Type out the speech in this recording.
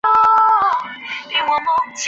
纳曼干州是乌兹别克十二个州份之一。